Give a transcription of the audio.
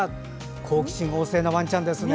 好奇心旺盛なワンちゃんですね。